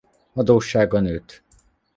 Adóssága nőtt.